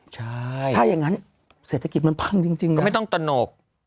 ถ้าอย่างนั้นเศรษฐกิจมันพังจริงก็ไม่ต้องตนก